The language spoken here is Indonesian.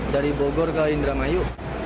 dari bogor ke indramayu